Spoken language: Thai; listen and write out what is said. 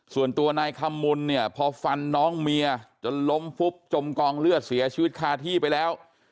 ส่วนตัวนายคำมุนเนี่ยพอฟันน้องเมียจนล้มฟุบจมกองเลือดเสียชีวิตคาที่ไปแล้ว